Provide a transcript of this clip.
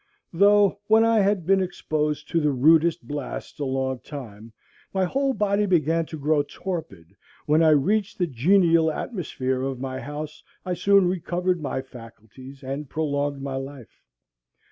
Though, when I had been exposed to the rudest blasts a long time, my whole body began to grow torpid, when I reached the genial atmosphere of my house I soon recovered my faculties and prolonged my life.